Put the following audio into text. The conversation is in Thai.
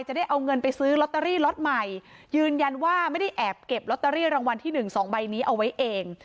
ได้เอาเงินไปซื้อลอตเตอรี่ล็อตใหม่ยืนยันว่าไม่ได้แอบเก็บลอตเตอรี่รางวัลที่หนึ่งสองใบนี้เอาไว้เอง